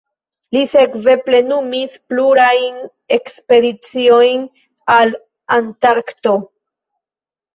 Li sekve plenumis plurajn ekspediciojn al Antarkto.